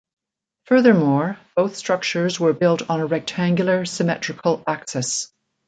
Furthermore, both structures were built on a rectangular, symmetrical axis.